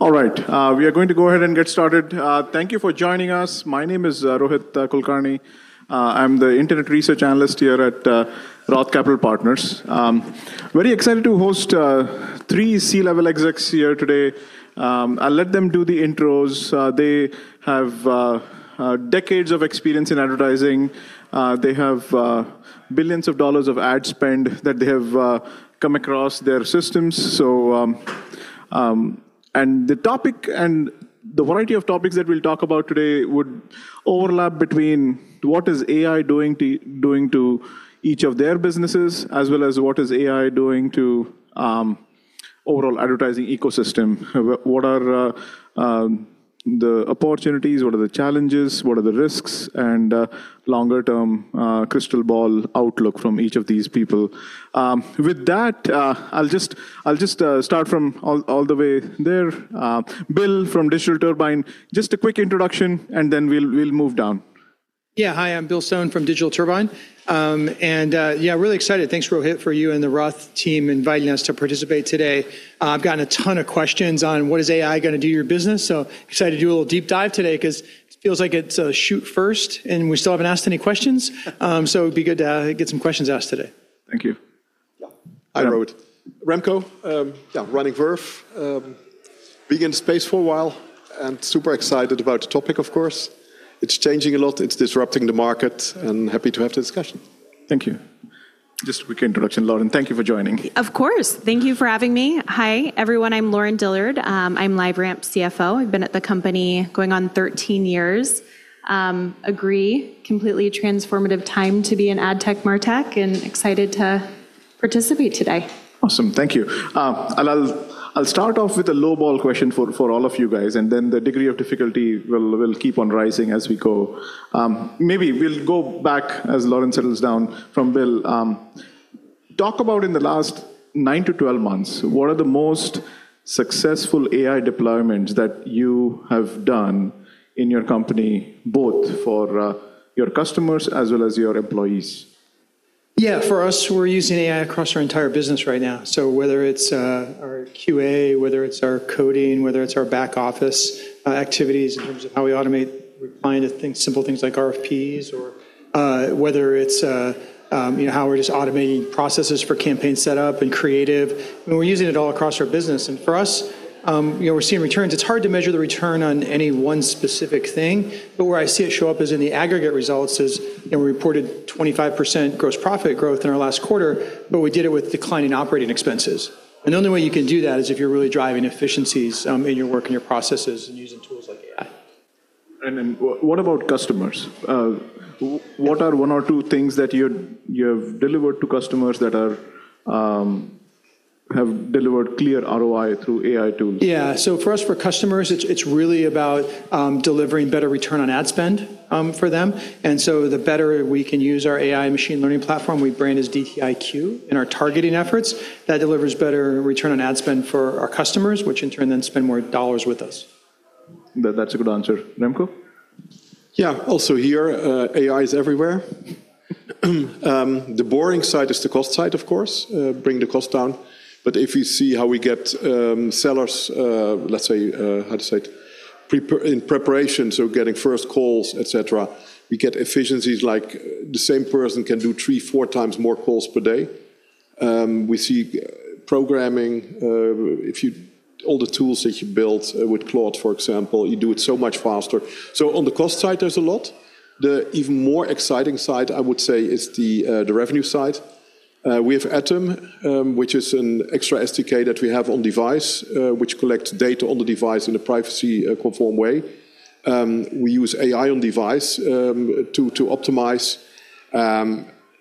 All right. We are going to go ahead and get started. Thank you for joining us. My name is Rohit Kulkarni. I'm the Internet research analyst here at Roth Capital Partners. Very excited to host three C-level execs here today. I'll let them do the intros. They have decades of experience in advertising. They have billions of dollars of ad spend that they have come across their systems. The topic and the variety of topics that we'll talk about today would overlap between what is AI doing to each of their businesses, as well as what is AI doing to overall advertising ecosystem. What are the opportunities? What are the challenges? What are the risks? Longer term, crystal ball outlook from each of these people. With that, I'll just start from all the way there. Bill from Digital Turbine, just a quick introduction, and then we'll move down. Yeah. Hi, I'm Bill Stone from Digital Turbine. Yeah, really excited. Thanks, Rohit, for you and the Roth team inviting us to participate today. I've gotten a ton of questions on what is AI gonna do to your business, so excited to do a little deep dive today 'cause it feels like it's shoot first, and we still haven't asked any questions. It'd be good to get some questions asked today. Thank you. Yeah. Hi, Rohit. Remco, yeah, running Verve. I've been in the space for a while and super excited about the topic, of course. It's changing a lot. It's disrupting the market, and I'm happy to have the discussion. Thank you. Just a quick introduction, Lauren. Thank you for joining. Of course. Thank you for having me. Hi, everyone. I'm Lauren Dillard. I'm LiveRamp CFO. I've been at the company going on 13 years. I agree. It's a completely transformative time to be in ad tech, martech, and I'm excited to participate today. Awesome. Thank you. I'll start off with a low-ball question for all of you guys, and then the degree of difficulty will keep on rising as we go. Maybe we'll go back as Lauren settles down from Bill. Talk about in the last 9-12 months, what are the most successful AI deployments that you have done in your company, both for your customers as well as your employees? Yeah. For us, we're using AI across our entire business right now. Whether it's our QA, whether it's our coding, whether it's our back office activities in terms of how we automate replying to things, simple things like RFPs or whether it's you know, how we're just automating processes for campaign setup and creative, and we're using it all across our business. For us, you know, we're seeing returns. It's hard to measure the return on any one specific thing, but where I see it show up is in the aggregate results, you know, we reported 25% gross profit growth in our last quarter, but we did it with declining operating expenses. The only way you can do that is if you're really driving efficiencies in your work and your processes and using tools like AI. What about customers? What are one or two things that you have delivered to customers that have delivered clear ROI through AI tools? For us, for customers, it's really about delivering better return on ad spend for them. The better we can use our AI machine learning platform we brand as DT iQ in our targeting efforts, that delivers better return on ad spend for our customers, which in turn then spend more dollars with us. That's a good answer. Remco? Yeah. Also here, AI is everywhere. The boring side is the cost side, of course, bring the cost down. If you see how we get sellers, let's say, how to say it, in preparation, so getting first calls, et cetera, we get efficiencies like the same person can do three, four times more calls per day. We see programming, all the tools that you built with Claude, for example, you do it so much faster. On the cost side, there's a lot. The even more exciting side, I would say, is the revenue side. We have ATOM, which is an extra SDK that we have on device, which collects data on the device in a privacy-compliant way. We use AI on device to optimize.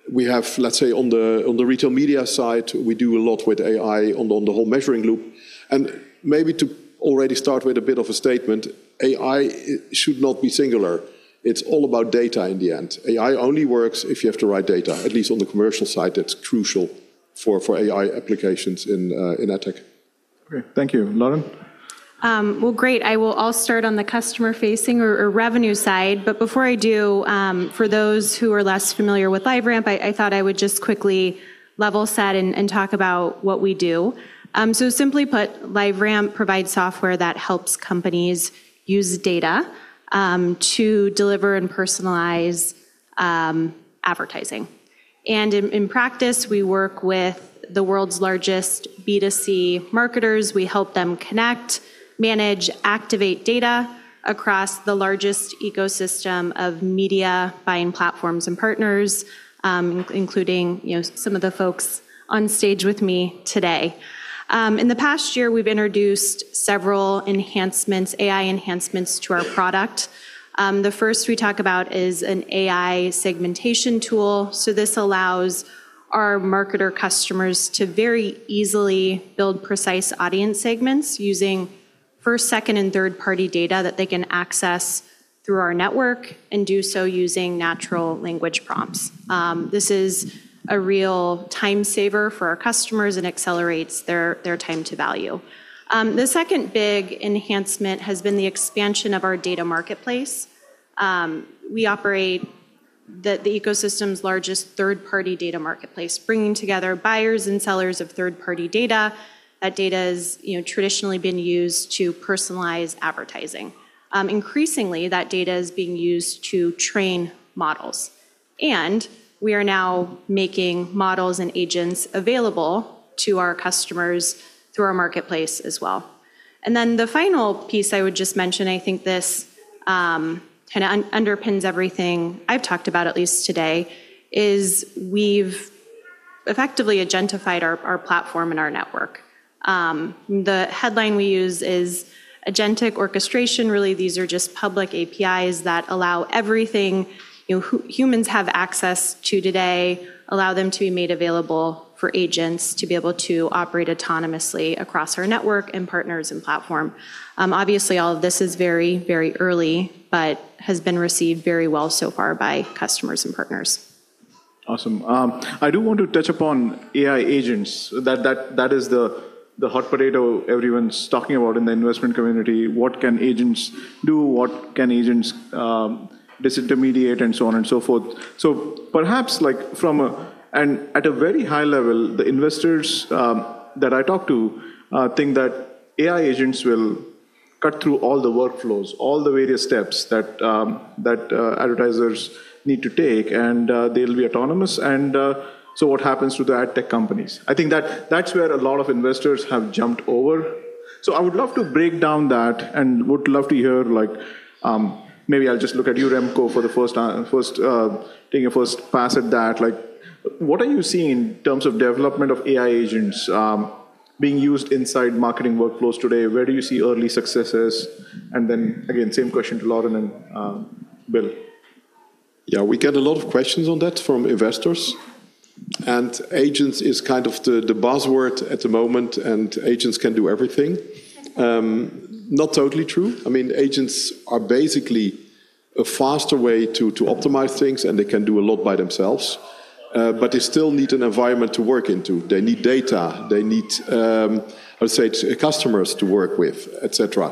We have, let's say on the retail media side, we do a lot with AI on the whole measuring loop. Maybe to already start with a bit of a statement, AI should not be singular. It's all about data in the end. AI only works if you have the right data. At least on the commercial side, that's crucial for AI applications in ad tech. Great. Thank you. Lauren? Well, great. I'll start on the customer-facing or revenue side. Before I do, for those who are less familiar with LiveRamp, I thought I would just quickly level set and talk about what we do. Simply put, LiveRamp provides software that helps companies use data to deliver and personalize advertising. In practice, we work with the world's largest B2C marketers. We help them connect, manage, activate data across the largest ecosystem of media buying platforms and partners, including, you know, some of the folks on stage with me today. In the past year, we've introduced several enhancements, AI enhancements to our product. The first we talk about is an AI segmentation tool. This allows our marketer customers to very easily build precise audience segments using first, second, and third-party data that they can access through our network and do so using natural language prompts. This is a real time saver for our customers and accelerates their time to value. The second big enhancement has been the expansion of our data marketplace. We operate as the ecosystem's largest third-party data marketplace, bringing together buyers and sellers of third-party data. That data has, you know, traditionally been used to personalize advertising. Increasingly, that data is being used to train models, and we are now making models and agents available to our customers through our marketplace as well. The final piece I would just mention, I think this kinda underpins everything I've talked about at least today, is we've effectively agentified our platform and our network. The headline we use is agentic orchestration. Really, these are just public APIs that allow everything, you know, humans have access to today, allow them to be made available for agents to be able to operate autonomously across our network and partners and platform. Obviously, all of this is very, very early, but has been received very well so far by customers and partners. Awesome. I do want to touch upon AI agents, that is the hot potato everyone's talking about in the investment community. What can agents do? What can agents disintermediate, and so on and so forth. Perhaps, like, at a very high level, the investors that I talk to think that AI agents will cut through all the workflows, all the various steps that advertisers need to take, and they'll be autonomous, and so what happens to the ad tech companies? I think that's where a lot of investors have jumped over. I would love to break down that and would love to hear like, maybe I'll just look at you, Remco, taking a first pass at that. Like, what are you seeing in terms of development of AI agents being used inside marketing workflows today? Where do you see early successes? Then again, same question to Lauren and Bill. Yeah, we get a lot of questions on that from investors. Agents is kind of the buzzword at the moment, and agents can do everything. Not totally true. I mean, agents are basically a faster way to optimize things, and they can do a lot by themselves, but they still need an environment to work into. They need data. They need, let's say, customers to work with, et cetera.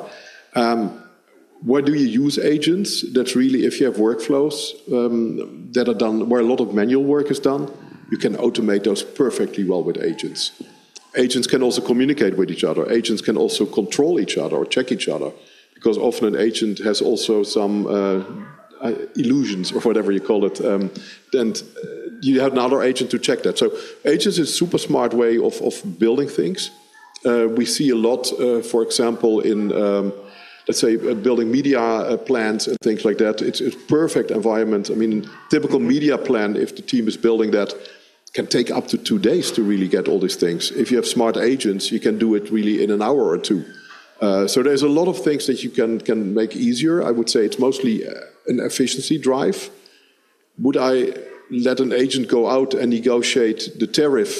Where do you use agents? That's really if you have workflows where a lot of manual work is done, you can automate those perfectly well with agents. Agents can also communicate with each other. Agents can also control each other or check each other, because often an agent has also some hallucinations or whatever you call it, and you have another agent to check that. Agents is super smart way of building things. We see a lot, for example, in, let's say, building media plans and things like that. It's perfect environment. I mean, typical media plan, if the team is building that, can take up to two days to really get all these things. If you have smart agents, you can do it really in an hour or two. There's a lot of things that you can make easier. I would say it's mostly an efficiency drive. Would I let an agent go out and negotiate the tariff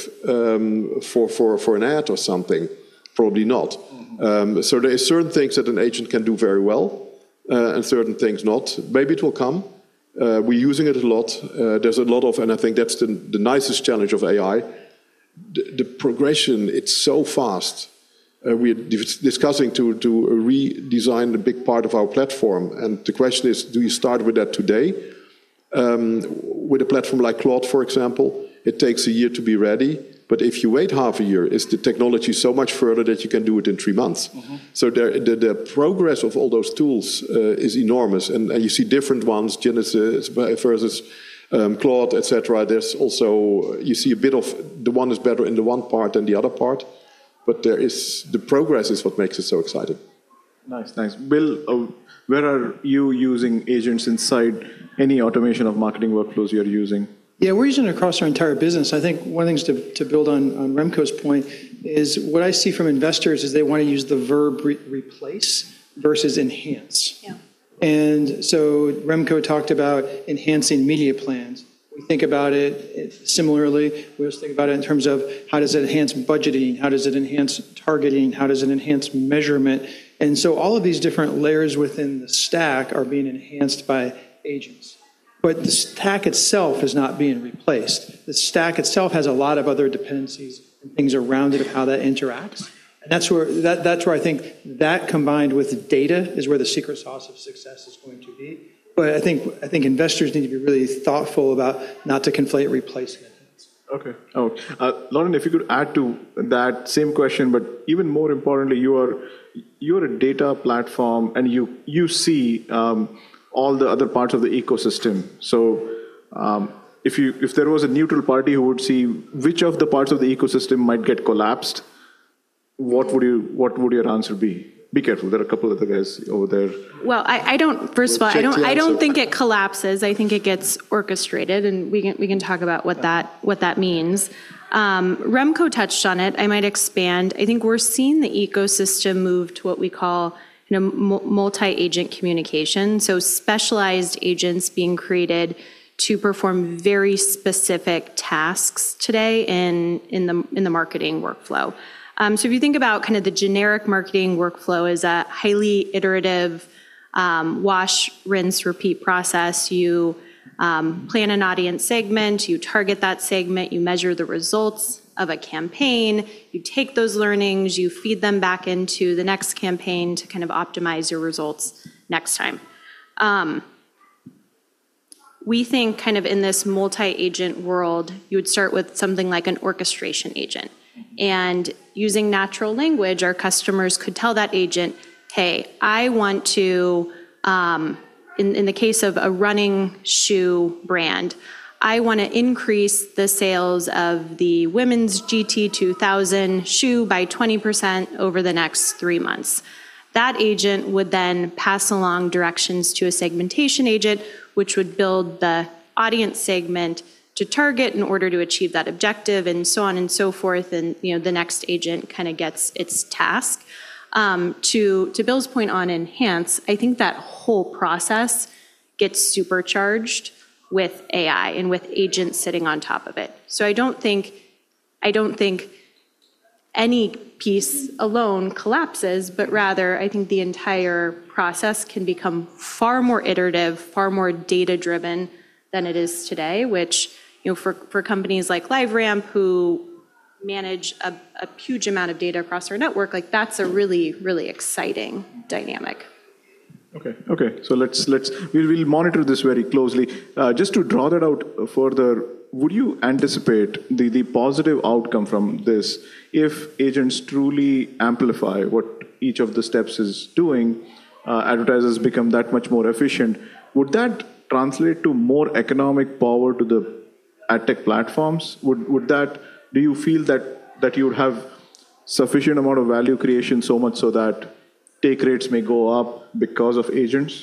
for an ad or something? Probably not. Mm-hmm. There are certain things that an agent can do very well, and certain things not. Maybe it will come. We're using it a lot. There's a lot, and I think that's the nicest challenge of AI. The progression, it's so fast. We're discussing to redesign a big part of our platform, and the question is, do you start with that today? With a platform like Claude, for example, it takes a year to be ready. If you wait half a year, is the technology so much further that you can do it in three months? Mm-hmm. The progress of all those tools is enormous, and you see different ones, Gemini versus Claude, et cetera. There's also you see a bit of the one is better in the one part than the other part. The progress is what makes it so exciting. Nice. Thanks. Bill, where are you using agents inside any automation of marketing workflows you're using? Yeah, we're using it across our entire business. I think one of the things to build on Remco's point is what I see from investors is they wanna use the verb replace versus enhance. Yeah. Remco talked about enhancing media plans. We think about it similarly. We always think about it in terms of how does it enhance budgeting? How does it enhance targeting? How does it enhance measurement? All of these different layers within the stack are being enhanced by agents. The stack itself is not being replaced. The stack itself has a lot of other dependencies and things around it of how that interacts. That's where I think that combined with data is where the secret sauce of success is going to be. I think investors need to be really thoughtful about not to conflate replace and enhance. Okay. Oh, Lauren, if you could add to that same question, but even more importantly, you're a data platform, and you see all the other parts of the ecosystem. If there was a neutral party who would see which of the parts of the ecosystem might get collapsed, what would your answer be? Be careful. There are a couple other guys over there. Well, I don't. Check the answer. First of all, I don't think it collapses. I think it gets orchestrated, and we can talk about what that means. Remco touched on it. I might expand. I think we're seeing the ecosystem move to what we call, you know, multi-agent communication, so specialized agents being created to perform very specific tasks today in the marketing workflow. If you think about kinda the generic marketing workflow is a highly iterative, wash, rinse, repeat process. You plan an audience segment, you target that segment, you measure the results of a campaign, you take those learnings, you feed them back into the next campaign to kind of optimize your results next time. We think kind of in this multi-agent world, you would start with something like an orchestration agent. Using natural language, our customers could tell that agent, hey, I want to, in the case of a running shoe brand, I wanna increase the sales of the women's GT-2000 shoe by 20% over the next three months. That agent would then pass along directions to a segmentation agent, which would build the audience segment to target in order to achieve that objective and so on and so forth, and, you know, the next agent kinda gets its task. To Bill's point on Enhance, I think that whole process gets supercharged with AI and with agents sitting on top of it. I don't think any piece alone collapses, but rather I think the entire process can become far more iterative, far more data-driven than it is today, which, you know, for companies like LiveRamp who manage a huge amount of data across our network, like that's a really exciting dynamic. Okay. We'll monitor this very closely. Just to draw that out further, would you anticipate the positive outcome from this if agents truly amplify what each of the steps is doing, advertisers become that much more efficient, would that translate to more economic power to the ad tech platforms? Do you feel that you would have sufficient amount of value creation so much so that take rates may go up because of agents?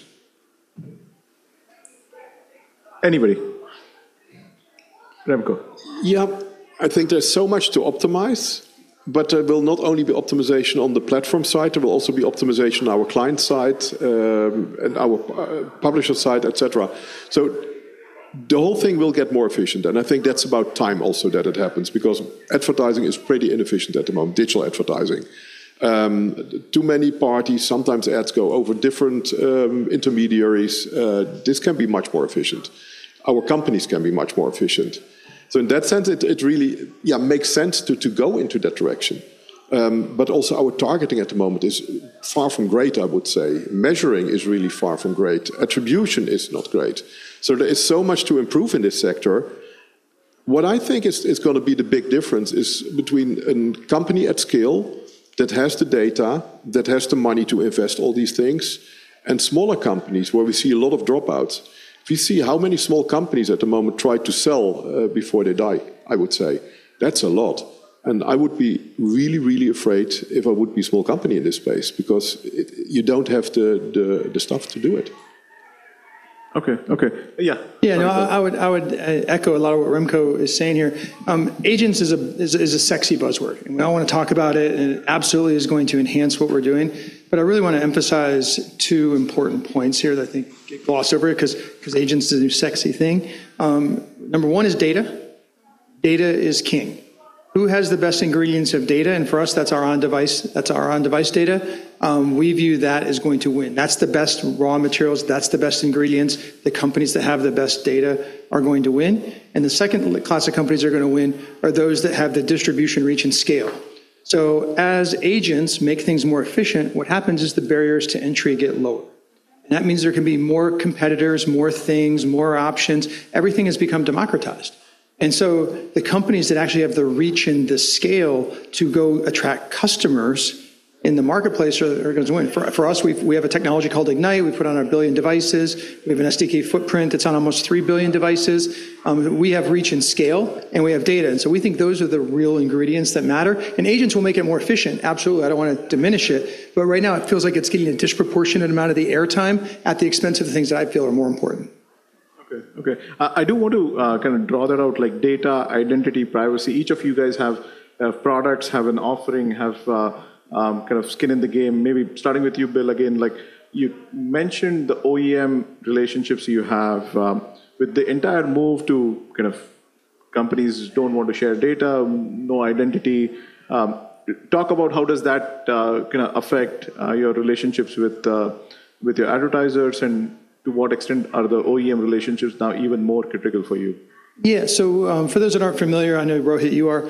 Anybody. Remco. I think there's so much to optimize, but it will not only be optimization on the platform side, it will also be optimization on our client side, and our publisher side, etc. The whole thing will get more efficient, and I think that's about time also that it happens because advertising is pretty inefficient at the moment, digital advertising. Too many parties, sometimes ads go over different intermediaries. This can be much more efficient. Our companies can be much more efficient. In that sense, it really makes sense to go into that direction. Also our targeting at the moment is far from great, I would say. Measuring is really far from great. Attribution is not great. There is so much to improve in this sector. What I think is gonna be the big difference is between a company at scale that has the data, that has the money to invest all these things, and smaller companies where we see a lot of dropouts. If you see how many small companies at the moment try to sell before they die, I would say that's a lot, and I would be really, really afraid if I would be a small company in this space because you don't have the stuff to do it. Okay. Okay. Yeah. Yeah. No, I would echo a lot of what Remco is saying here. Agents is a sexy buzzword, and we all wanna talk about it, and it absolutely is going to enhance what we're doing. I really wanna emphasize two important points here that I think get glossed over 'cause agents is a sexy thing. Number one is data. Data is king. Who has the best ingredients of data? For us, that's our on-device data. We view that as going to win. That's the best raw materials. That's the best ingredients. The companies that have the best data are going to win. The second class of companies that are gonna win are those that have the distribution, reach, and scale. As agents make things more efficient, what happens is the barriers to entry get lower, and that means there can be more competitors, more things, more options. Everything has become democratized. The companies that actually have the reach and the scale to go attract customers in the marketplace are gonna win. For us, we have a technology called Ignite we put on our 1 billion devices. We have an SDK footprint that's on almost 3 billion devices. We have reach and scale, and we have data. We think those are the real ingredients that matter. Agents will make it more efficient, absolutely. I don't wanna diminish it. Right now it feels like it's getting a disproportionate amount of the airtime at the expense of the things that I feel are more important. Okay. I do want to kind of draw that out, like data, identity, privacy. Each of you guys have products, have an offering, have kind of skin in the game. Maybe starting with you, Bill, again, like you mentioned the OEM relationships you have. With the entire move to kind of companies don't want to share data, no identity, talk about how does that kinda affect your relationships with your advertisers, and to what extent are the OEM relationships now even more critical for you? Yeah. For those that aren't familiar, I know, Rohit, you are,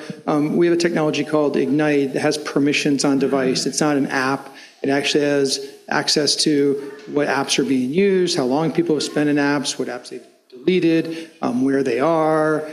we have a technology called Ignite that has permissions on device. It's not an app. It actually has access to what apps are being used, how long people have spent in apps, what apps they've deleted, where they are,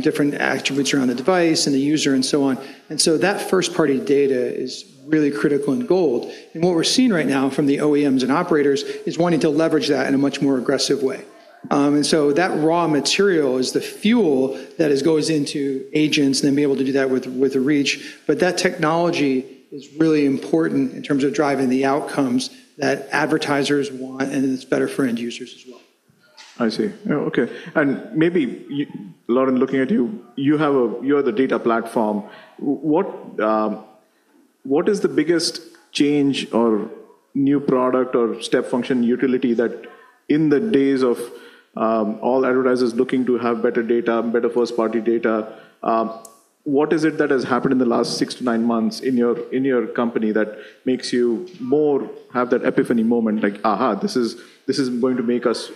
different attributes around the device and the user and so on. That first-party data is really critical and gold. What we're seeing right now from the OEMs and operators is wanting to leverage that in a much more aggressive way. That raw material is the fuel that goes into agents and then be able to do that with the reach. That technology is really important in terms of driving the outcomes that advertisers want, and it's better for end users as well. I see. Oh, okay. Maybe you, Lauren, looking at you have the data platform. What is the biggest change or new product or step function utility that in the days of all advertisers looking to have better data, better first-party data, what is it that has happened in the last 6 to 9 months in your company that makes you more have that epiphany moment, like, aha, this is going to make us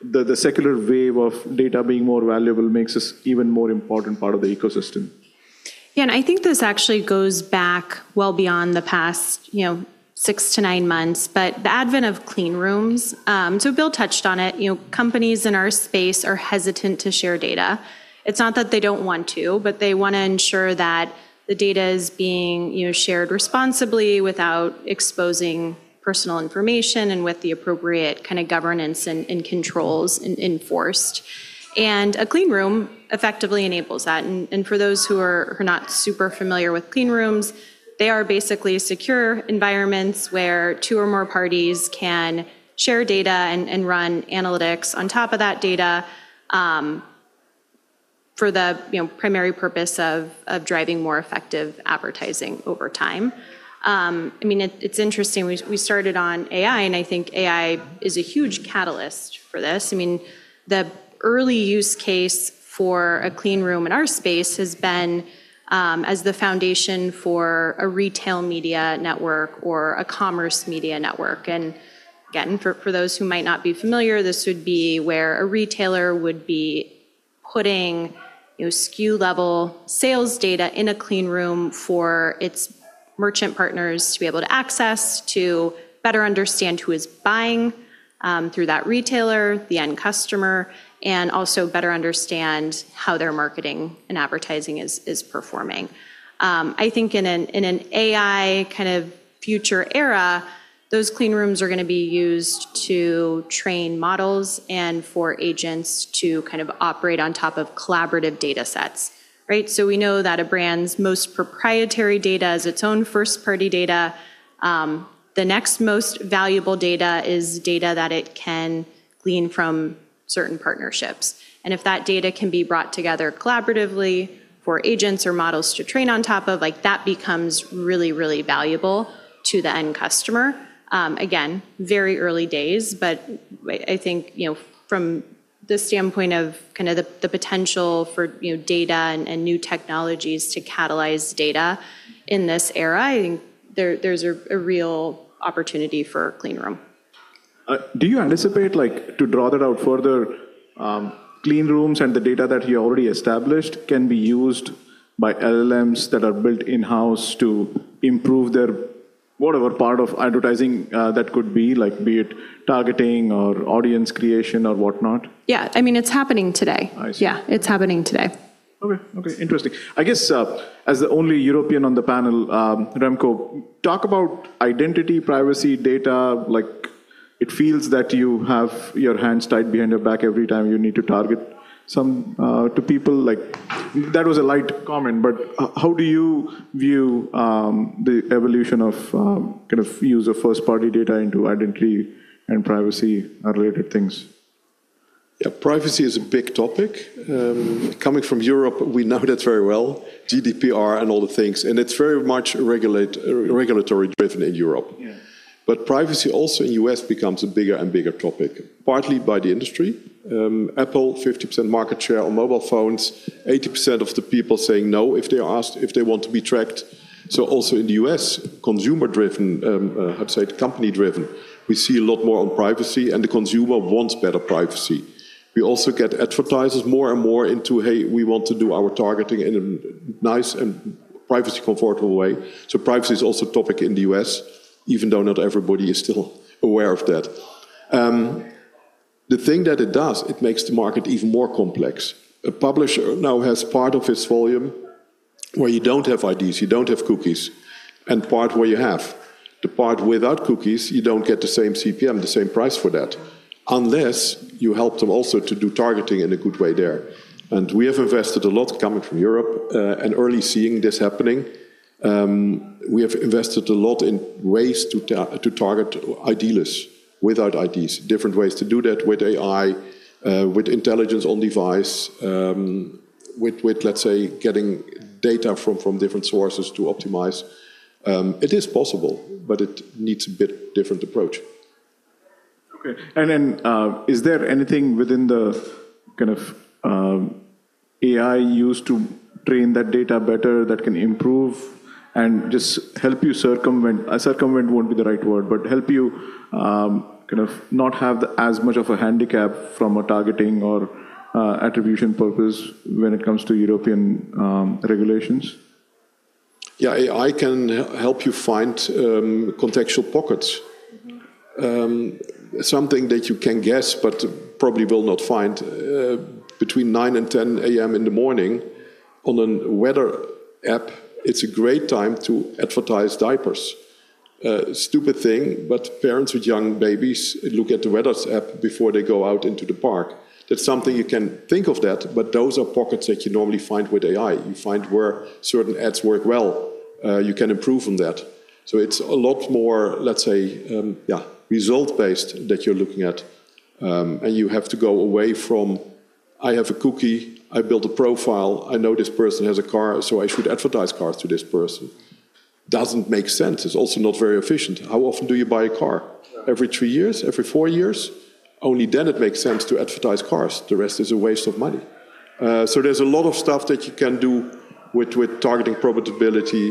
the secular wave of data being more valuable makes us even more important part of the ecosystem? Yeah, I think this actually goes back well beyond the past, you know, 6-9 months. The advent of clean rooms, so Bill touched on it, you know, companies in our space are hesitant to share data. It's not that they don't want to, but they wanna ensure that the data is being, you know, shared responsibly without exposing personal information and with the appropriate kinda governance and controls enforced. A clean room effectively enables that. For those who are not super familiar with clean rooms, they are basically secure environments where two or more parties can share data and run analytics on top of that data, you know, primary purpose of driving more effective advertising over time. I mean, it's interesting, we started on AI, and I think AI is a huge catalyst for this. I mean, the early use case for a clean room in our space has been as the foundation for a retail media network or a commerce media network. Again, for those who might not be familiar, this would be where a retailer would be putting, you know, SKU-level sales data in a clean room for its merchant partners to be able to access, to better understand who is buying through that retailer, the end customer, and also better understand how their marketing and advertising is performing. I think in an AI kind of future era, those clean rooms are gonna be used to train models and for agents to kind of operate on top of collaborative datasets, right? We know that a brand's most proprietary data is its own first-party data. The next most valuable data is data that it can glean from certain partnerships. If that data can be brought together collaboratively for agents or models to train on top of, like that becomes really, really valuable to the end customer. Again, very early days, but I think, you know, from the standpoint of kinda the potential for, you know, data and new technologies to catalyze data in this era, I think there's a real opportunity for a clean room. Do you anticipate, like, to draw that out further, clean rooms and the data that you already established can be used by LLMs that are built in-house to improve their whatever part of advertising, that could be, like, be it targeting or audience creation or whatnot? Yeah. I mean, it's happening today. I see. Yeah. It's happening today. Okay. Interesting. I guess, as the only European on the panel, Remco, talk about identity, privacy, data. Like it feels that you have your hands tied behind your back every time you need to target some to people. Like that was a light comment, but how do you view the evolution of kind of use of first-party data into identity and privacy-related things? Yeah, privacy is a big topic. Coming from Europe, we know that very well, GDPR and all the things, and it's very much regulatory-driven in Europe. Yeah. Privacy also in U.S. becomes a bigger and bigger topic, partly by the industry. Apple, 50% market share on mobile phones, 80% of the people saying no if they are asked if they want to be tracked. Also in the U.S., consumer-driven, I'd say company-driven, we see a lot more on privacy, and the consumer wants better privacy. We also get advertisers more and more into, "Hey, we want to do our targeting in a nice and privacy-comfortable way." Privacy is also a topic in the U.S., even though not everybody is still aware of that. The thing that it does, it makes the market even more complex. A publisher now has part of its volume where you don't have IDs, you don't have cookies, and part where you have. The part without cookies, you don't get the same CPM, the same price for that, unless you help them also to do targeting in a good way there. We have invested a lot coming from Europe and early seeing this happening. We have invested a lot in ways to target individuals without IDs, different ways to do that with AI, with intelligence on device, with, let's say, getting data from different sources to optimize. It is possible, but it needs a bit different approach. Okay. Is there anything within the kind of AI used to train that data better that can improve and just help you circumvent won't be the right word, but help you kind of not have as much of a handicap from a targeting or attribution purpose when it comes to European regulations? Yeah, AI can help you find contextual pockets. Something that you can guess but probably will not find, between 9:00 A.M. and 10:00 A.M. in the morning on a weather app, it's a great time to advertise diapers. Stupid thing, but parents with young babies look at the weather app before they go out into the park. That's something you can think of that, but those are pockets that you normally find with AI. You find where certain ads work well, you can improve on that. It's a lot more, let's say, yeah, result-based that you're looking at. You have to go away from, I have a cookie, I build a profile, I know this person has a car, so I should advertise cars to this person. Doesn't make sense. It's also not very efficient. How often do you buy a car? Every three years? Every four years? Only then it makes sense to advertise cars. The rest is a waste of money. There's a lot of stuff that you can do with targeting profitability.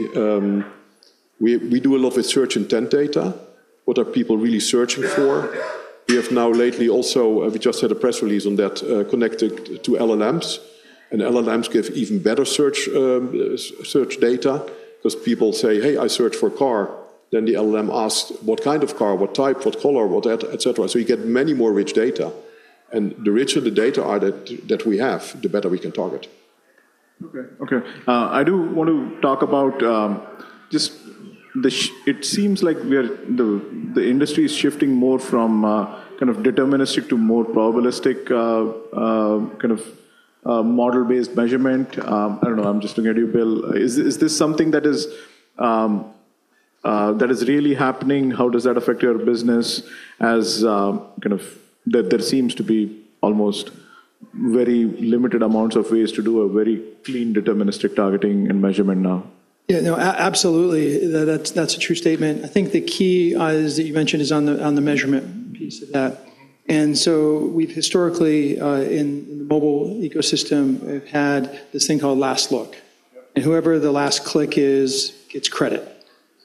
We do a lot with search intent data. What are people really searching for? We have now lately also, we just had a press release on that, connected to LLMs, and LLMs give even better search data 'cause people say, "Hey, I searched for a car." Then the LLM asks, "What kind of car? What type? What color? What that?" Et cetera. You get many more rich data, and the richer the data are that we have, the better we can target. Okay. I do want to talk about. It seems like the industry is shifting more from kind of deterministic to more probabilistic kind of model-based measurement. I don't know. I'm just looking at you, Bill. Is this something that is really happening? How does that affect your business as kind of there seems to be almost very limited amounts of ways to do a very clean deterministic targeting and measurement now. Yeah, no, absolutely. That's a true statement. I think the key is that you mentioned is on the measurement piece of that. We've historically in the mobile ecosystem have had this thing called last look- Yeah... whoever the last click is gets credit.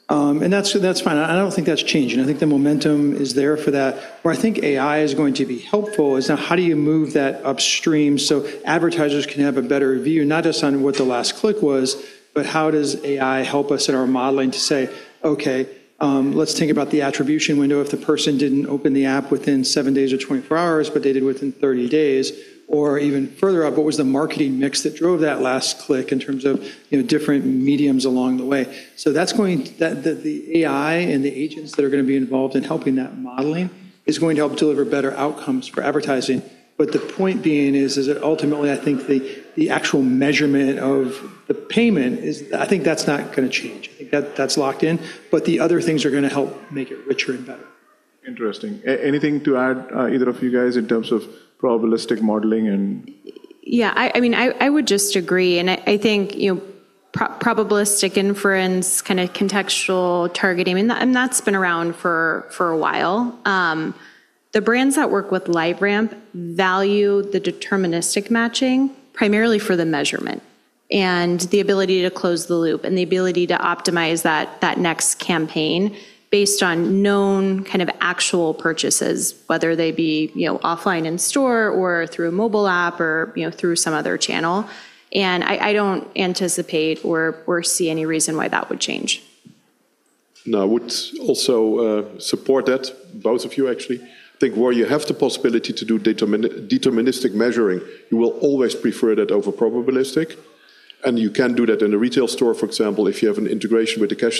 That's fine. I don't think that's changing. I think the momentum is there for that. Where I think AI is going to be helpful is now how do you move that upstream so advertisers can have a better view, not just on what the last click was, but how does AI help us in our modeling to say, "Okay, let's think about the attribution window if the person didn't open the app within 7 days or 24 hours, but they did within 30 days," or even further out, what was the marketing mix that drove that last click in terms of, you know, different mediums along the way? The AI and the agents that are gonna be involved in helping that modeling is going to help deliver better outcomes for advertising. The point being is that ultimately I think the actual measurement of the payment is. I think that's not gonna change. I think that's locked in. The other things are gonna help make it richer and better. Interesting. Anything to add, either of you guys, in terms of probabilistic modeling and? Yeah, I mean, I would just agree, and I think, you know, probabilistic inference, kinda contextual targeting, and that's been around for a while. The brands that work with LiveRamp value the deterministic matching primarily for the measurement and the ability to close the loop and the ability to optimize that next campaign based on known kind of actual purchases, whether they be, you know, offline in store or through a mobile app or, you know, through some other channel, and I don't anticipate or see any reason why that would change. No, I would also support that, both of you actually. I think where you have the possibility to do deterministic measuring, you will always prefer that over probabilistic, and you can do that in a retail store, for example, if you have an integration with the cash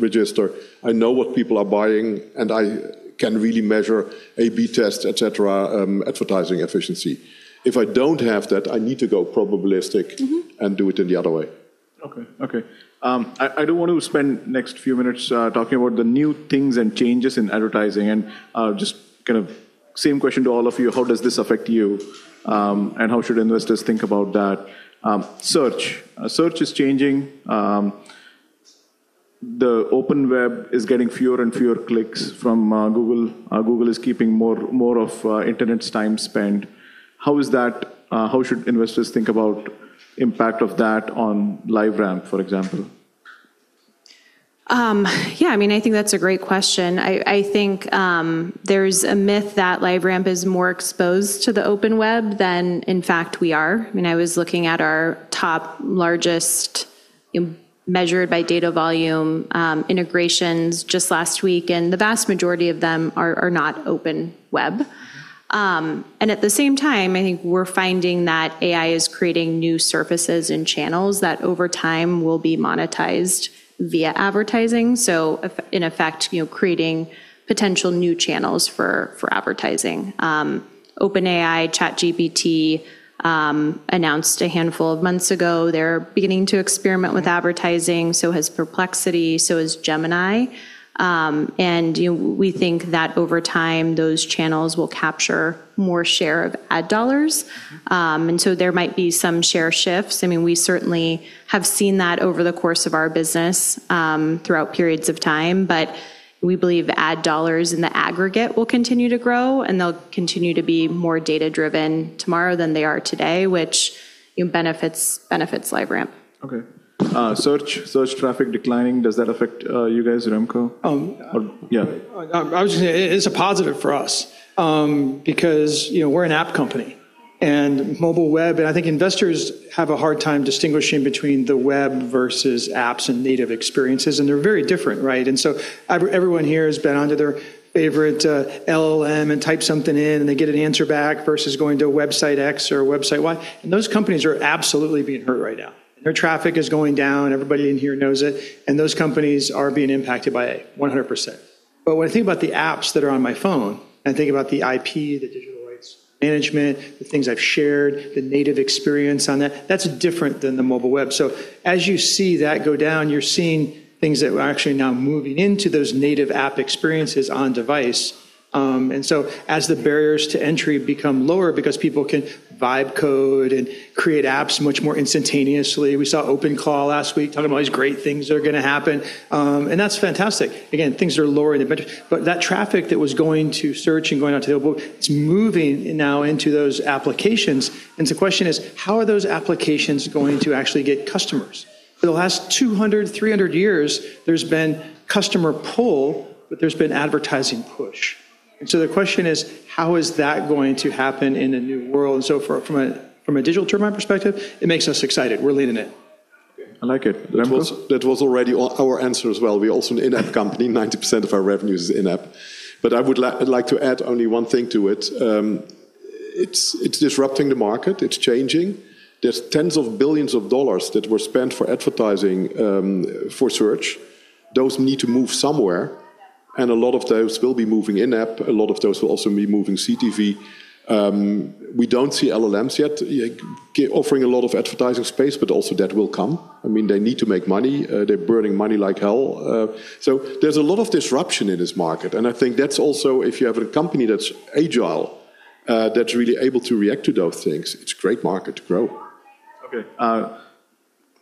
register. I know what people are buying, and I can really measure A/B test, et cetera, advertising efficiency. If I don't have that, I need to go probabilistic. Do it in the other way. Okay, I do want to spend the next few minutes talking about the new things and changes in advertising and just kind of the same question to all of you. How does this affect you, and how should investors think about that? Search is changing. The open web is getting fewer and fewer clicks from Google. Google is keeping more of the internet's time spent. How should investors think about the impact of that on LiveRamp, for example? Yeah, I mean, I think that's a great question. I think there's a myth that LiveRamp is more exposed to the open web than in fact we are. I mean, I was looking at our top largest measured by data volume integrations just last week, and the vast majority of them are not open web. At the same time, I think we're finding that AI is creating new surfaces and channels that over time will be monetized via advertising, so in effect, you know, creating potential new channels for advertising. OpenAI, ChatGPT announced a handful of months ago they're beginning to experiment with advertising, so has Perplexity, so has Gemini, and you know, we think that over time those channels will capture more share of ad dollars, and so there might be some share shifts. I mean, we certainly have seen that over the course of our business, throughout periods of time. We believe ad dollars in the aggregate will continue to grow, and they'll continue to be more data-driven tomorrow than they are today, which, you know, benefits LiveRamp. Okay. Search traffic declining, does that affect you guys at Remco? Um- Yeah. I was gonna say it's a positive for us, because, you know, we're an app company and mobile web, and I think investors have a hard time distinguishing between the web versus apps and native experiences, and they're very different, right? Everyone here has been onto their favorite LLM and typed something in, and they get an answer back versus going to a website x or a website y, and those companies are absolutely being hurt right now. Their traffic is going down. Everybody in here knows it, and those companies are being impacted by it 100%. When I think about the apps that are on my phone, I think about the IP, the Digital Rights Management, the things I've shared, the native experience on that. That's different than the mobile web. As you see that go down, you're seeing things that are actually now moving into those native app experiences on device. As the barriers to entry become lower because people can write code and create apps much more instantaneously, we saw OpenAI last week talking about all these great things that are gonna happen, and that's fantastic. Again, things are lowering, but that traffic that was going to search and going out to the open web, it's moving now into those applications, and the question is: How are those applications going to actually get customers? For the last 200, 300 years, there's been customer pull, but there's been advertising push. The question is, how is that going to happen in a new world? From a Digital Turbine perspective, it makes us excited. We're leading it. I like it. Remco? That was already our answer as well. We're also an in-app company. 90% of our revenue is in-app. I would like to add only one thing to it. It's disrupting the market. It's changing. There's tens of billions of dollars that were spent for advertising for search. Those need to move somewhere, and a lot of those will be moving in-app. A lot of those will also be moving CTV. We don't see LLMs yet offering a lot of advertising space, but also that will come. I mean, they need to make money. They're burning money like hell. So there's a lot of disruption in this market, and I think that's also if you have a company that's agile, that's really able to react to those things, it's a great market to grow. Okay.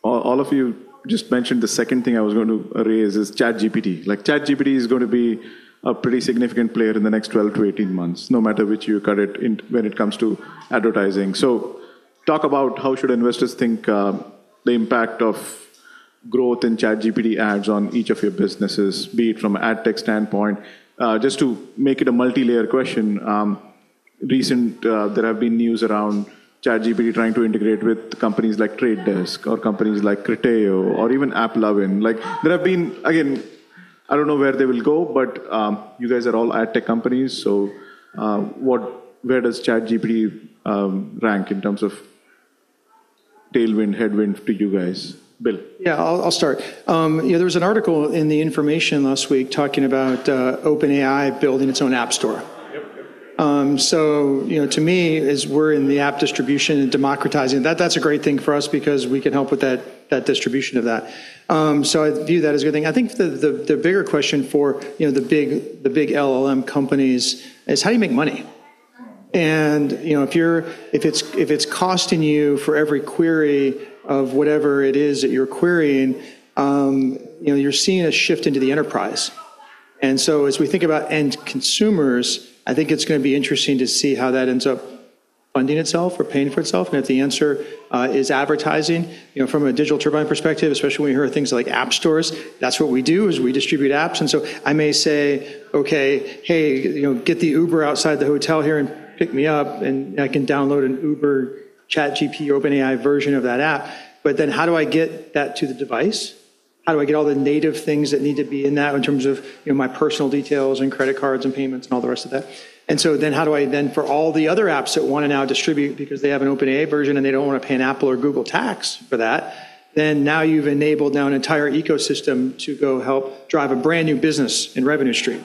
All of you just mentioned the second thing I was going to raise is ChatGPT. Like, ChatGPT is going to be a pretty significant player in the next 12-18 months, no matter which way you cut it, when it comes to advertising. Talk about how should investors think the impact of growth in ChatGPT ads on each of your businesses, be it from ad tech standpoint. Just to make it a multi-layer question, recently there have been news around ChatGPT trying to integrate with companies like The Trade Desk or companies like Criteo or even AppLovin. Like, there have been. Again, I don't know where they will go, but you guys are all ad tech companies. Where does ChatGPT rank in terms of tailwind, headwind to you guys? Bill. Yeah, I'll start. You know, there was an article in The Information last week talking about OpenAI building its own app store. Yep. Yep. You know, to me, as we're in the app distribution and democratizing, that's a great thing for us because we can help with that distribution of that. I view that as a good thing. I think the bigger question for you know the big LLM companies is how do you make money? If it's costing you for every query of whatever it is that you're querying, you know, you're seeing a shift into the enterprise. As we think about end consumers, I think it's gonna be interesting to see how that ends up funding itself or paying for itself, and if the answer is advertising. You know, from a Digital Turbine perspective, especially when you hear of things like app stores, that's what we do, is we distribute apps. I may say, "Okay. Hey, you know, get the Uber outside the hotel here and pick me up," and I can download an Uber ChatGPT, OpenAI version of that app. How do I get that to the device? How do I get all the native things that need to be in that in terms of, you know, my personal details and credit cards and payments and all the rest of that? How do I then for all the other apps that wanna now distribute because they have an OpenAI version and they don't wanna pay an Apple or Google tax for that, then now you've enabled now an entire ecosystem to go help drive a brand-new business and revenue stream.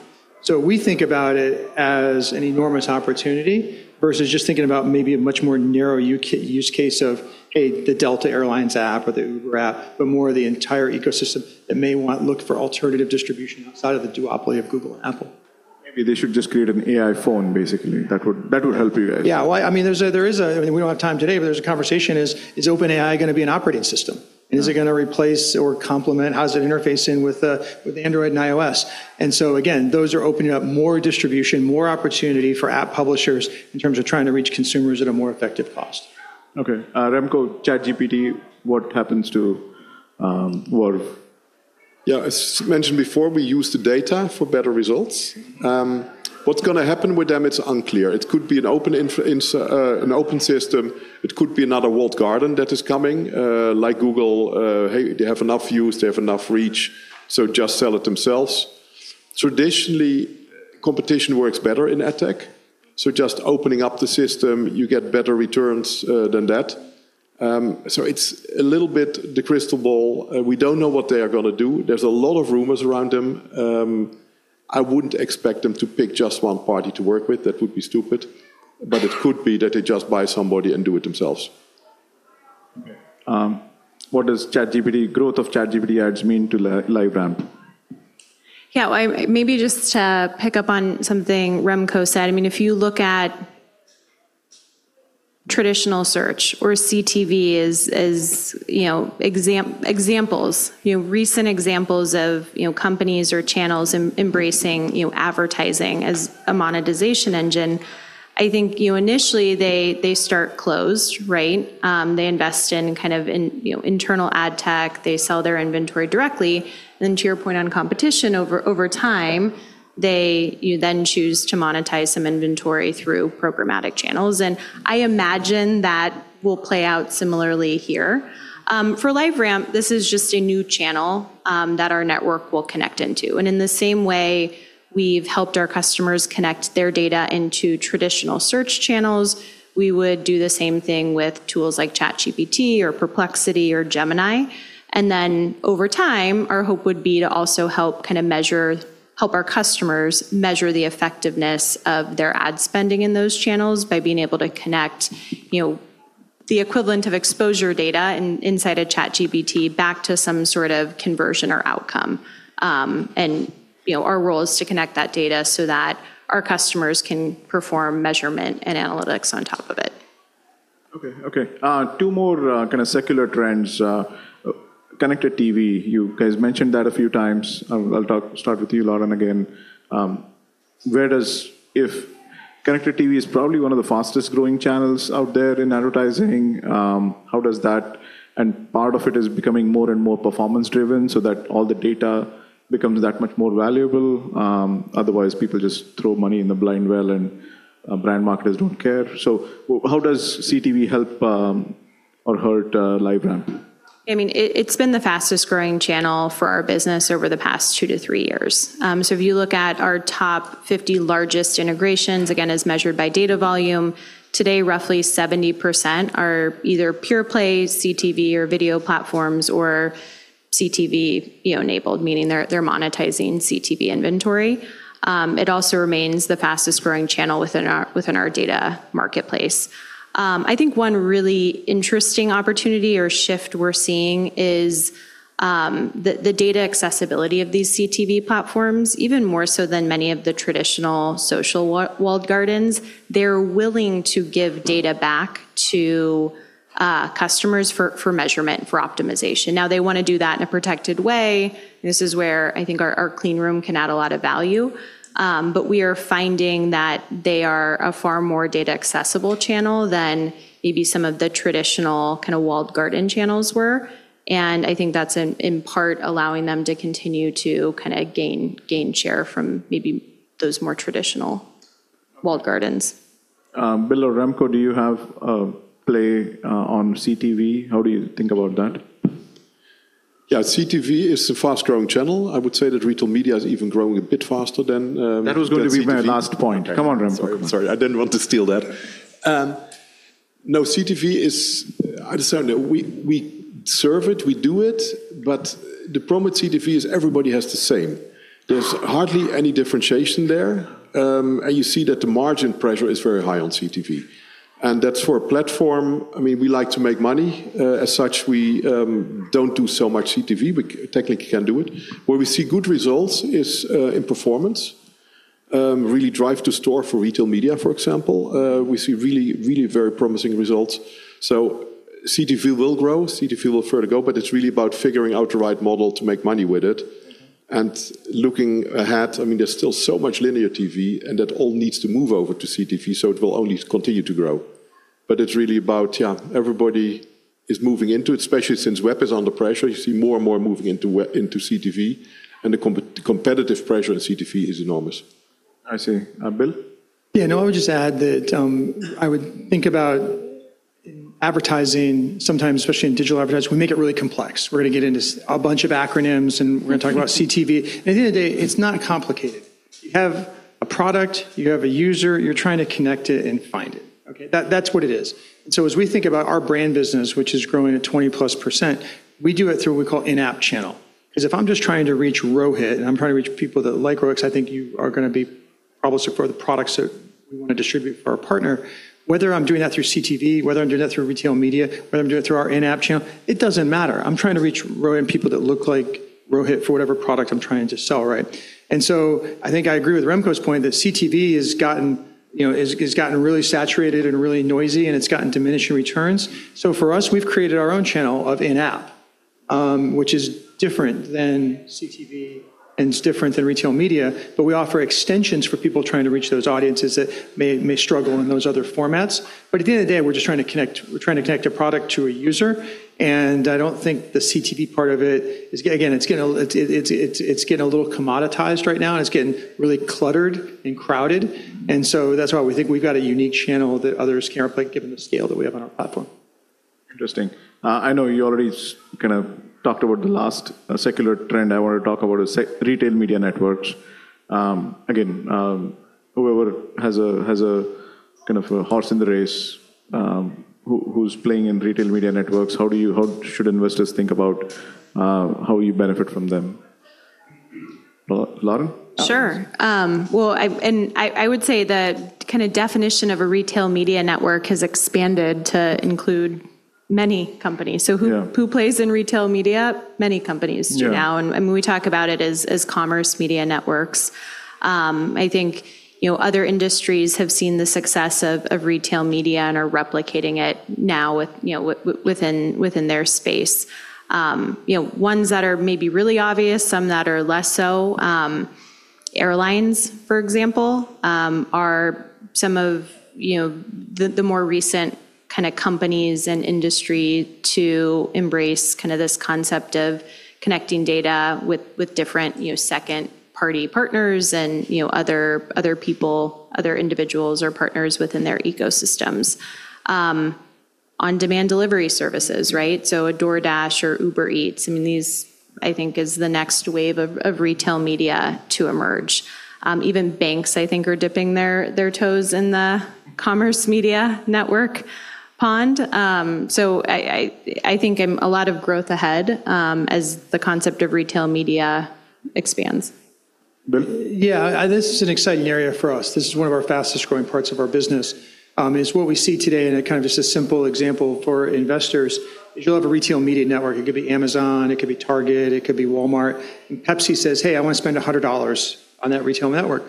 We think about it as an enormous opportunity versus just thinking about maybe a much more narrow use case of, say, the Delta Air Lines app or the Uber app, but more the entire ecosystem that may want to look for alternative distribution outside of the duopoly of Google and Apple. Maybe they should just create an AI phone, basically. That would help you guys. Well, I mean, we don't have time today, but there is a conversation: is OpenAI gonna be an operating system? Is it gonna replace or complement? How does it interface with Android and iOS? Again, those are opening up more distribution, more opportunity for app publishers in terms of trying to reach consumers at a more effective cost. Okay. Remco, ChatGPT, what happens to, or Yeah. As mentioned before, we use the data for better results. What's gonna happen with them, it's unclear. It could be an open system. It could be another walled garden that is coming, like Google. Hey, they have enough views, they have enough reach, so just sell it themselves. Traditionally, competition works better in ad tech, so just opening up the system, you get better returns than that. It's a little bit the crystal ball. We don't know what they are gonna do. There's a lot of rumors around them. I wouldn't expect them to pick just one party to work with. That would be stupid. It could be that they just buy somebody and do it themselves. Okay. What does ChatGPT, growth of ChatGPT ads mean to LiveRamp? Yeah. Well, maybe just to pick up on something Remco said. I mean, if you look at traditional search or CTV as you know, examples, you know, recent examples of, you know, companies or channels embracing, you know, advertising as a monetization engine, I think, you know, initially they start closed, right? They invest in kind of, you know, internal ad tech. They sell their inventory directly. Then to your point on competition, over time, they then choose to monetize some inventory through programmatic channels. I imagine that will play out similarly here. For LiveRamp, this is just a new channel that our network will connect into. In the same way we've helped our customers connect their data into traditional search channels, we would do the same thing with tools like ChatGPT or Perplexity or Gemini. Over time, our hope would be to also help kinda measure help our customers measure the effectiveness of their ad spending in those channels by being able to connect, you know, the equivalent of exposure data inside a ChatGPT back to some sort of conversion or outcome. You know, our role is to connect that data so that our customers can perform measurement and analytics on top of it. Okay. Two more kinda secular trends. Connected TV, you guys mentioned that a few times. I'll start with you, Lauren, again. Connected TV is probably one of the fastest-growing channels out there in advertising. Part of it is becoming more and more performance-driven so that all the data becomes that much more valuable. Otherwise, people just throw money blindly, and brand marketers don't care. How does CTV help or hurt LiveRamp? I mean, it's been the fastest-growing channel for our business over the past 2-3 years. If you look at our top 50 largest integrations, again, as measured by data volume, today, roughly 70% are either pure-play CTV or video platforms or CTV, you know, enabled, meaning they're monetizing CTV inventory. It also remains the fastest-growing channel within our data marketplace. I think one really interesting opportunity or shift we're seeing is the data accessibility of these CTV platforms, even more so than many of the traditional social walled gardens. They're willing to give data back to customers for measurement, for optimization. Now, they wanna do that in a protected way. This is where I think our clean room can add a lot of value. We are finding that they are a far more data-accessible channel than maybe some of the traditional kinda walled garden channels were. I think that's in part allowing them to continue to kinda gain share from maybe those more traditional walled gardens. Bill or Remco, do you have a play on CTV? How do you think about that? Yeah. CTV is a fast-growing channel. I would say that retail media is even growing a bit faster than CTV. That was going to be my last point. Come on, Remco. Come on. Sorry. Sorry. I didn't want to steal that. No, CTV is. I understand that we serve it, we do it, but the problem with CTV is everybody has the same. There's hardly any differentiation there. You see that the margin pressure is very high on CTV. That's for a platform. I mean, we like to make money. As such, we don't do so much CTV. We technically can do it. Where we see good results is in performance, really drive to store for retail media, for example. We see really very promising results. CTV will grow, CTV will further go, but it's really about figuring out the right model to make money with it. Looking ahead, I mean, there's still so much linear TV, and that all needs to move over to CTV, so it will only continue to grow. It's really about, yeah, everybody is moving into it, especially since web is under pressure. You see more and more moving into CTV, and the competitive pressure on CTV is enormous. I see. Bill? Yeah. No, I would just add that, I would think about advertising sometimes, especially in digital advertising, we make it really complex. We're gonna get into a bunch of acronyms, and we're gonna talk about CTV. At the end of the day, it's not complicated. You have a product, you have a user, you're trying to connect it and find it, okay? That's what it is. As we think about our brand business, which is growing at 20%+, we do it through what we call in-app channel. 'Cause if I'm just trying to reach Rohit, and I'm trying to reach people that like Rolex, I think you are gonna be probably support the products that we wanna distribute for our partner. Whether I'm doing that through CTV, whether I'm doing that through retail media, whether I'm doing it through our in-app channel, it doesn't matter. I'm trying to reach Rohit and people that look like Rohit for whatever product I'm trying to sell, right? I think I agree with Remco's point that CTV has gotten, you know, really saturated and really noisy, and it's gotten diminishing returns. For us, we've created our own channel of in-app, which is different than CTV, and it's different than retail media, but we offer extensions for people trying to reach those audiences that may struggle in those other formats. At the end of the day, we're just trying to connect a product to a user, and I don't think the CTV part of it is... Again, it's getting a little commoditized right now, and it's getting really cluttered and crowded. That's why we think we've got a unique channel that others can't replicate given the scale that we have on our platform. Interesting. I know you already kinda talked about the last secular trend. I wanna talk about is retail media networks. Again, whoever has a kind of a horse in the race, who's playing in retail media networks, how should investors think about how you benefit from them? Lauren? Sure. Well, I would say the kinda definition of a retail media network has expanded to include many companies. Yeah. Who plays in retail media? Many companies do now. Yeah. We talk about it as commerce media networks. I think, you know, other industries have seen the success of retail media and are replicating it now with, you know, within their space. You know, ones that are maybe really obvious, some that are less so. Airlines, for example, are some of, you know, the more recent kinda companies and industry to embrace kinda this concept of connecting data with different, you know, second-party partners and, you know, other people, other individuals or partners within their ecosystems. On-demand delivery services, right? A DoorDash or Uber Eats, I mean, these, I think, is the next wave of retail media to emerge. Even banks, I think, are dipping their toes in the commerce media network pond. I think a lot of growth ahead as the concept of retail media expands. Bill? Yeah. This is an exciting area for us. This is one of our fastest-growing parts of our business. What we see today, and kind of just a simple example for investors, is you'll have a retail media network. It could be Amazon, it could be Target, it could be Walmart. Pepsi says, "Hey, I wanna spend $100 on that retail network."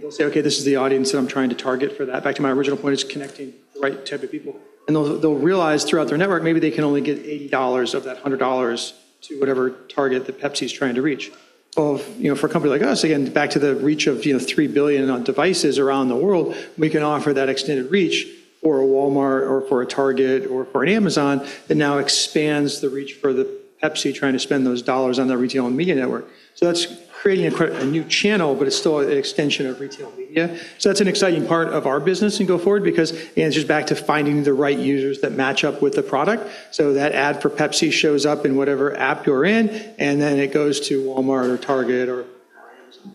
They'll say, "Okay, this is the audience that I'm trying to target for that." Back to my original point, it's connecting the right type of people. They'll realize throughout their network, maybe they can only get $80 of that $100 to whatever target that Pepsi is trying to reach. Oh, you know, for a company like us, again, back to the reach of, you know, 3 billion on devices around the world, we can offer that extended reach for a Walmart or for a Target or for an Amazon that now expands the reach for the Pepsi trying to spend those dollars on their retail media network. That's creating a new channel, but it's still an extension of retail media. That's an exciting part of our business and go forward because, again, it's just back to finding the right users that match up with the product. That ad for Pepsi shows up in whatever app you're in, and then it goes to Walmart or Target or Amazon.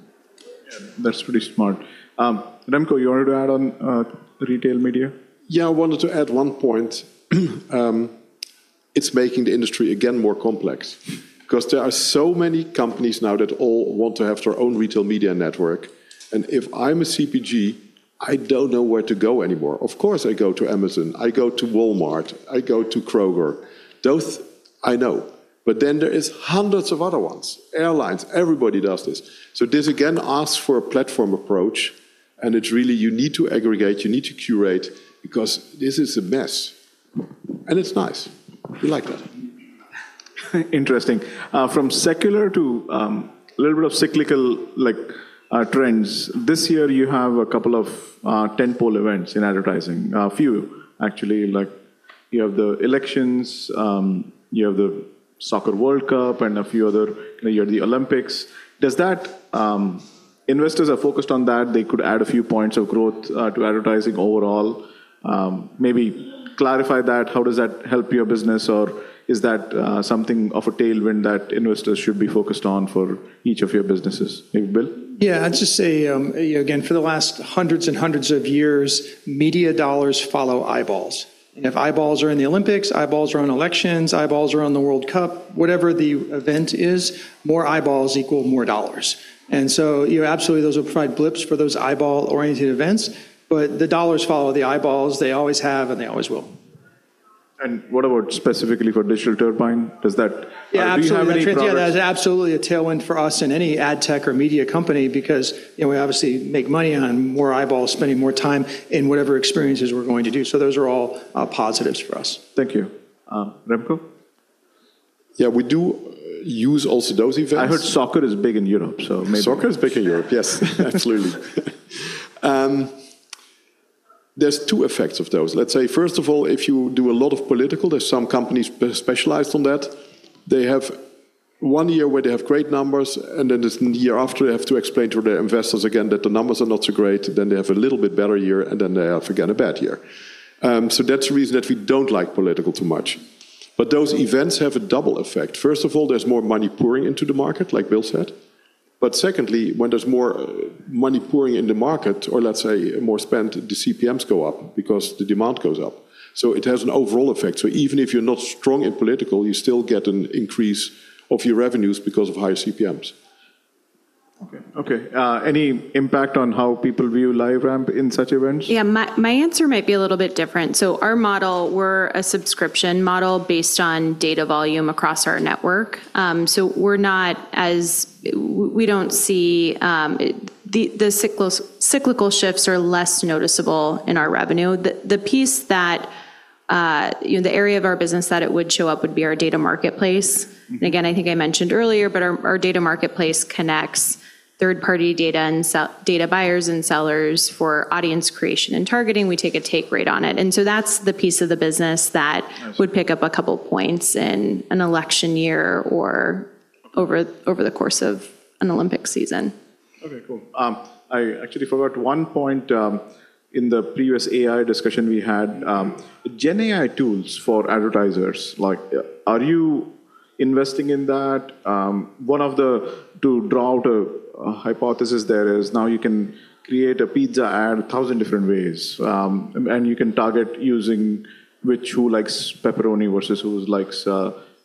Yeah, that's pretty smart. Remco, you wanted to add on, retail media? Yeah, I wanted to add one point. It's making the industry, again, more complex because there are so many companies now that all want to have their own retail media network. If I'm a CPG, I don't know where to go anymore. Of course, I go to Amazon, I go to Walmart, I go to Kroger. Those I know. Then there is hundreds of other ones. Airlines, everybody does this. This, again, asks for a platform approach, and it's really you need to aggregate, you need to curate because this is a mess, and it's nice. We like that. Interesting. From secular to a little bit of cyclical, like, trends, this year you have a couple of tentpole events in advertising. A few actually, like you have the elections, you have the Soccer World Cup and a few other. You know, you have the Olympics. Investors are focused on that. They could add a few points of growth to advertising overall. Maybe clarify that. How does that help your business? Or is that something of a tailwind that investors should be focused on for each of your businesses? Bill? Yeah. I'd just say, you know, again, for the last hundreds and hundreds of years, media dollars follow eyeballs. If eyeballs are in the Olympics, eyeballs are on elections, eyeballs are on the World Cup, whatever the event is, more eyeballs equal more dollars. You know, absolutely those will provide blips for those eyeball-oriented events, but the dollars follow the eyeballs. They always have, and they always will. What about specifically for Digital Turbine? Does that- Yeah, absolutely. Do you have any plans? That's absolutely a tailwind for us and any ad tech or media company because, you know, we obviously make money on more eyeballs spending more time in whatever experiences we're going to do. Those are all positives for us. Thank you. Remco? Yeah, we do use also those events. I heard soccer is big in Europe. Soccer is big in Europe, yes. Absolutely. There's two effects of those. Let's say, first of all, if you do a lot of political, there's some companies specialized on that. They have one year where they have great numbers, and then the year after, they have to explain to their investors again that the numbers are not so great. Then they have a little bit better year, and then they have again a bad year. That's the reason that we don't like political too much. Those events have a double effect. First of all, there's more money pouring into the market, like Bill said. Secondly, when there's more money pouring in the market or, let's say, more spent, the CPMs go up because the demand goes up. It has an overall effect. Even if you're not strong in political, you still get an increase of your revenues because of higher CPMs. Okay, any impact on how people view LiveRamp in such events? My answer might be a little bit different. Our model, we're a subscription model based on data volume across our network. We're not as... We don't see... The cyclical shifts are less noticeable in our revenue. The piece that the area of our business that it would show up would be our data marketplace. Again, I think I mentioned earlier, but our data marketplace connects third-party data and data buyers and sellers for audience creation and targeting. We take a take rate on it. That's the piece of the business that- I see. would pick up a couple points in an election year or over the course of an Olympic season. Okay, cool. I actually forgot one point in the previous AI discussion we had. Gen AI tools for advertisers, like are you investing in that? To draw out a hypothesis there is now you can create a pizza ad 1,000 different ways, and you can target using which who likes pepperoni versus who likes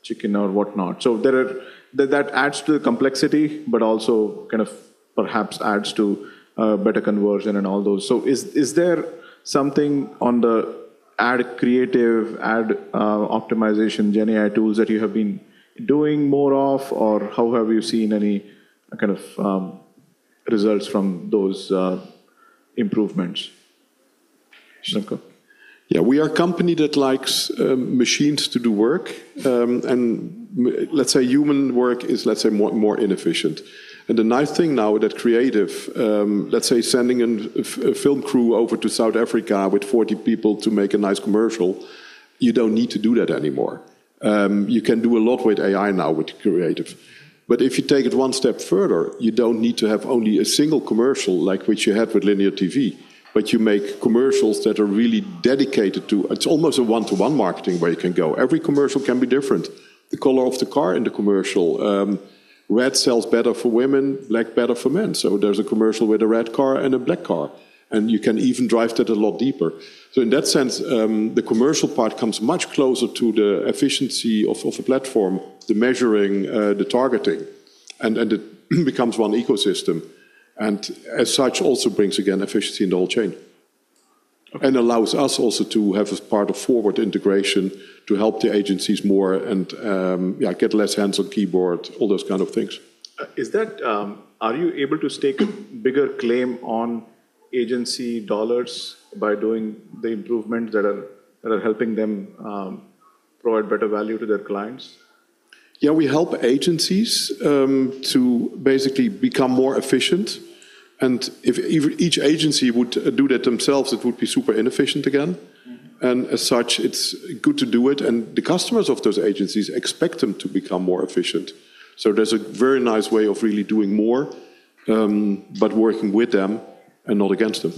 chicken or whatnot. That adds to the complexity, but also kind of perhaps adds to better conversion and all those. Is there something on the ad creative, ad optimization gen AI tools that you have been doing more of, or how have you seen any kind of results from those improvements? Remco. Yeah. We are a company that likes machines to do work, and let's say human work is, let's say, more inefficient. The nice thing now with that creative, let's say sending a film crew over to South Africa with 40 people to make a nice commercial, you don't need to do that anymore. You can do a lot with AI now with creative. If you take it one step further, you don't need to have only a single commercial like which you had with linear TV, but you make commercials that are really dedicated to it. It's almost a one-to-one marketing where you can go. Every commercial can be different. The color of the car in the commercial, red sells better for women, black better for men. There's a commercial with a red car and a black car, and you can even drive that a lot deeper. In that sense, the commercial part comes much closer to the efficiency of a platform, the measuring, the targeting, and it becomes one ecosystem, and as such, also brings, again, efficiency in the whole chain. Okay. Allows us also to have as part of forward integration to help the agencies more and, yeah, get less hands on keyboard, all those kind of things. Are you able to stake a bigger claim on agency dollars by doing the improvements that are helping them provide better value to their clients? Yeah, we help agencies to basically become more efficient. If each agency would do that themselves, it would be super inefficient again. As such, it's good to do it. The customers of those agencies expect them to become more efficient. There's a very nice way of really doing more, but working with them and not against them.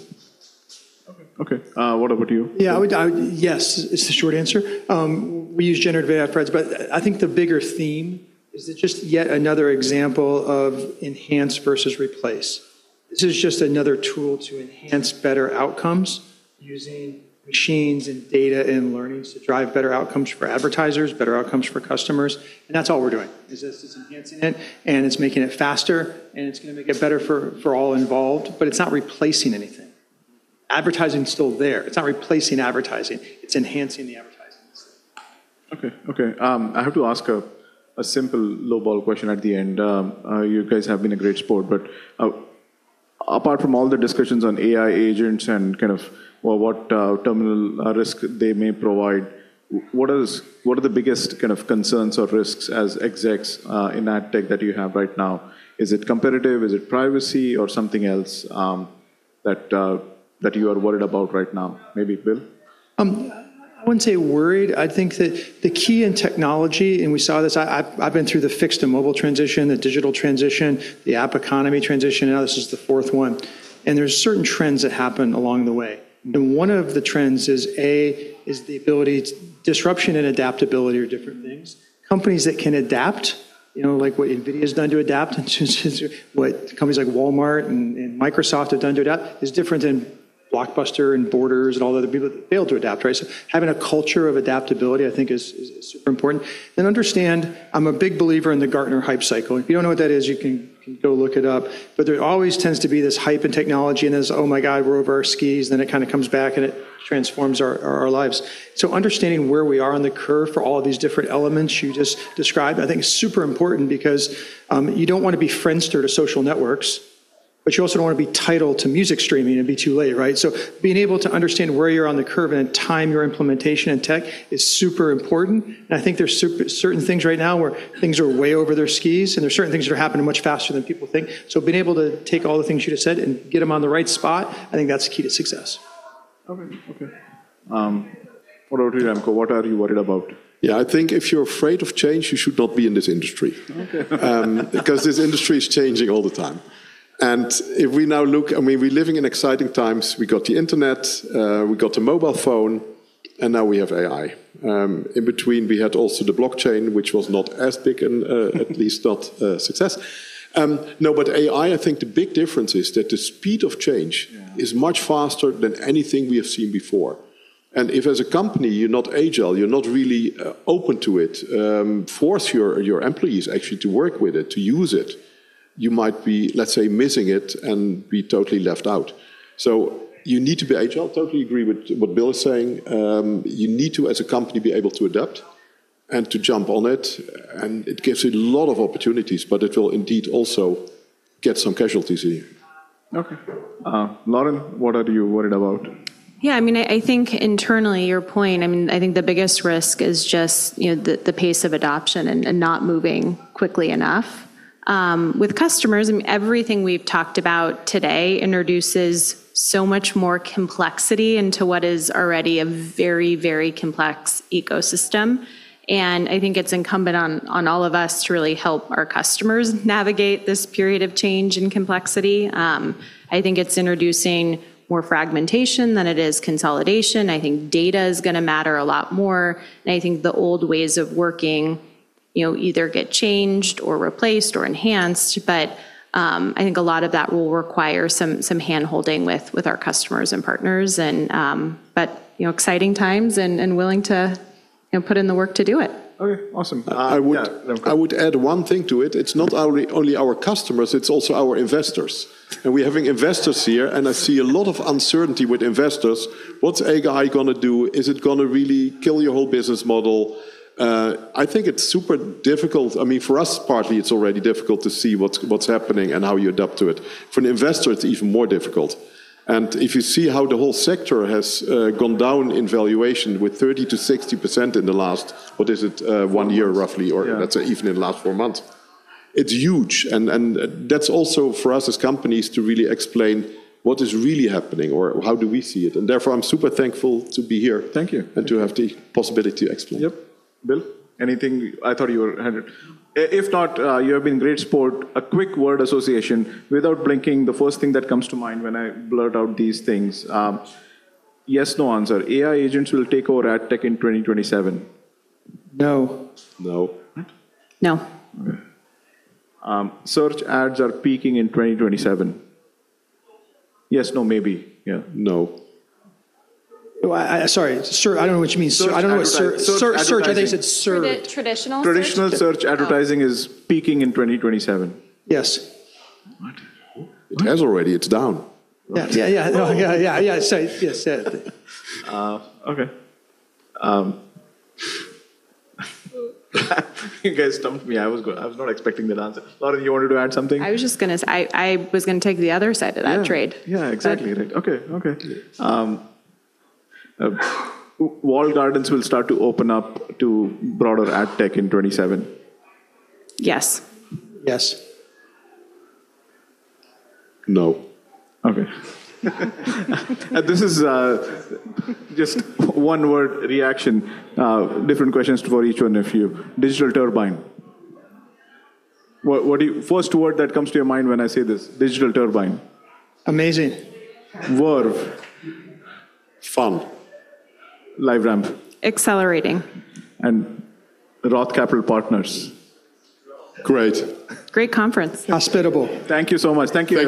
Okay. What about you? Yes is the short answer. We use generative AI threads, but I think the bigger theme is it's just yet another example of enhance versus replace. This is just another tool to enhance better outcomes using machines and data and learnings to drive better outcomes for advertisers, better outcomes for customers, and that's all we're doing, is this is enhancing it, and it's making it faster, and it's gonna make it better for all involved, but it's not replacing anything. Advertising is still there. It's not replacing advertising. It's enhancing the advertising. Okay. I have to ask a simple lowball question at the end. You guys have been a great sport, but apart from all the discussions on AI agents and kind of what terminal risk they may provide, what are the biggest kind of concerns or risks as execs in ad tech that you have right now? Is it competitive? Is it privacy or something else that you are worried about right now? Maybe Bill. I wouldn't say worried. I think that the key in technology, and we saw this. I've been through the fixed to mobile transition, the digital transition, the app economy transition. Now, this is the fourth one. There's certain trends that happen along the way. One of the trends is disruption and adaptability are different things. Companies that can adapt, you know, like what NVIDIA's done to adapt and since what companies like Walmart and Microsoft have done to adapt is different than Blockbuster and Borders and all the other people that failed to adapt, right? Having a culture of adaptability, I think is super important. You understand, I'm a big believer in the Gartner Hype Cycle. If you don't know what that is, you can go look it up. There always tends to be this hype in technology and this, "Oh my God, we're over our skis," then it kinda comes back, and it transforms our lives. Understanding where we are on the curve for all of these different elements you just described, I think is super important because you don't wanna be Friendster to social networks, but you also don't wanna be TIDAL to music streaming and be too late, right? Being able to understand where you're on the curve and time your implementation in tech is super important. I think there's certain things right now where things are way over their skis, and there's certain things that are happening much faster than people think. Being able to take all the things you just said and get them on the right spot, I think that's key to success. Okay. What about you, Remco? What are you worried about? Yeah. I think if you're afraid of change, you should not be in this industry. Okay. Because this industry is changing all the time. If we now look, I mean, we're living in exciting times. We got the internet, we got the mobile phone, and now we have AI. In between, we had also the blockchain, which was not as big and at least not a success. No, but AI, I think the big difference is that the speed of change. Yeah Is much faster than anything we have seen before. If, as a company, you're not agile, you're not really open to it or force your employees actually to work with it, to use it, you might be, let's say, missing it and be totally left out. You need to be agile. Totally agree with what Bill is saying. You need to, as a company, be able to adapt and to jump on it, and it gives you a lot of opportunities, but it will indeed also get some casualties among you. Okay. Lauren, what are you worried about? Yeah, I mean, I think internally, your point, I mean, I think the biggest risk is just, you know, the pace of adoption and not moving quickly enough. With customers, I mean, everything we've talked about today introduces so much more complexity into what is already a very, very complex ecosystem. I think it's incumbent on all of us to really help our customers navigate this period of change and complexity. I think it's introducing more fragmentation than it is consolidation. I think data is gonna matter a lot more. I think the old ways of working, you know, either get changed or replaced or enhanced. I think a lot of that will require some hand-holding with our customers and partners, you know, exciting times and willing to, you know, put in the work to do it. Okay, awesome. I would- Yeah, Remco. I would add one thing to it. It's not only our customers, it's also our investors. We're having investors here, and I see a lot of uncertainty with investors. What's AI gonna do? Is it gonna really kill your whole business model? I think it's super difficult. I mean, for us, partly, it's already difficult to see what's happening and how you adapt to it. For an investor, it's even more difficult. If you see how the whole sector has gone down in valuation with 30%-60% in the last one year roughly. Yeah Or let's say even in the last four months, it's huge. That's also for us as companies to really explain what is really happening or how do we see it. Therefore, I'm super thankful to be here. Thank you. To have the possibility to explain. Yep. Bill, anything? I thought you had it. If not, you have been a good sport. A quick word association. Without blinking, the first thing that comes to mind when I blurt out these things. Yes, no answer. AI agents will take over ad tech in 2027. No. No. All right. No. Okay. Search ads are peaking in 2027. Yes, no, maybe. Yeah. No. Sorry. I don't know what you mean. Search advertising. I don't know what search. I thought you said ser- For the traditional search? Traditional search advertising is peaking in 2027. Yes. What? It has already. It's down. Yeah. Yeah. Yes. Yeah. Okay. You guys stumped me. I was not expecting that answer. Lauren, you wanted to add something? I was just gonna take the other side of that trade. Yeah. Yeah, exactly. Right. Okay. Walled gardens will start to open up to broader ad tech in 2027. Yes. Yes. No. Okay. This is just one word reaction. Different questions for each one of you. Digital Turbine. First word that comes to your mind when I say this, Digital Turbine. Amazing. Verve. Fun. LiveRamp. Accelerating. Roth Capital Partners. Great. Great conference. Hospitable. Thank you so much. Thank you.